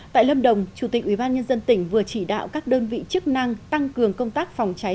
tại lâm đồng chủ tịch ubnd tỉnh vừa chỉ đạo các đơn vị chức năng tăng cường công tác phòng cháy